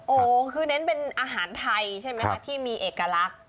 โอ้โหคือเน้นเป็นอาหารไทยใช่ไหมคะที่มีเอกลักษณ์